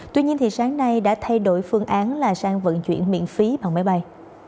tuy nhiên sáng nay đã thay đổi phương án là sang vận chuyển miễn phí bằng máy bay